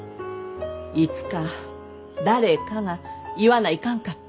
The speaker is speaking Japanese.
いつか誰かが言わないかんかった。